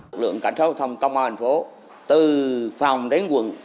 lực lượng cảnh sát giao thông công an thành phố từ phòng đến quận